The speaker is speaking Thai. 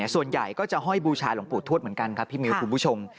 ส่วนใหญ่ก็จะห้อยบูชาหลวงปู่ทวดเหมือนกันครับพี่มิวคุณผู้ชม